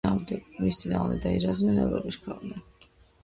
მის წინააღმდეგ დაირაზმნენ ევროპის ქვეყნები.